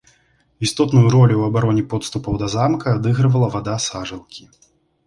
Істотную ролю ў абароне подступаў да замка адыгрывала вада сажалкі.